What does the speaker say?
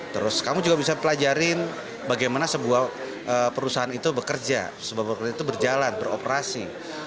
terus kamu juga bisa pelajarin bagaimana sebuah perusahaan itu bekerja sebuah pekerjaan itu berjalan beroperasi